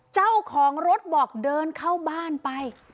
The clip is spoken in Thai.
เจ้าของรถบอกเดินเข้าบ้านไป